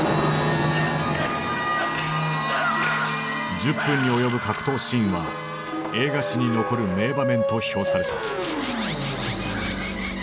１０分に及ぶ格闘シーンは映画史に残る名場面と評された。